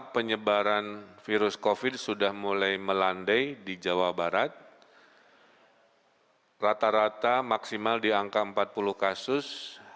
penyebaran virus covid sudah mulai melandai di jawa barat rata rata maksimal di angka empat puluh kasus